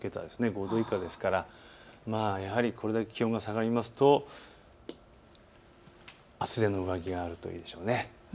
５度以下ですからこれだけ気温が下がると厚手の上着があるといいでしょう。